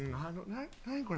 何これ？